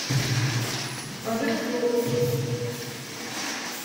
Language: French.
Un demi-tour.